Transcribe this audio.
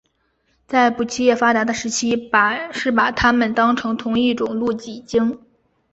在捕鲸业发达的时期是把它们当成同一种露脊鲸。